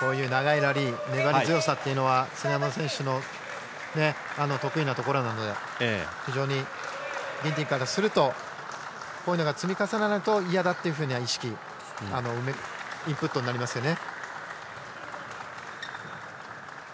こういう長いラリー粘り強さというのは常山選手の得意なところなので非常にギンティンからするとこういうのが積み重なると嫌だという意識インプットになりますよね。